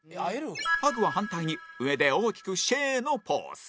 「ハグ」は反対に上で大きく「シェー」のポーズ